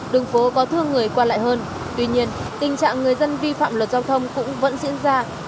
đường phố có thương người qua lại hơn tuy nhiên tình trạng người dân vi phạm luật giao thông cũng vẫn diễn ra